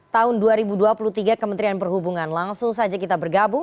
tahun dua ribu dua puluh tiga kementerian perhubungan langsung saja kita bergabung